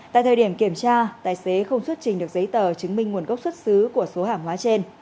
tại thời điểm kiểm tra tài xế không xuất trình được giấy tờ chứng minh nguồn gốc xuất xứ của số hàng hóa trên